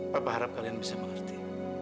papa harap kalian bisa mengerti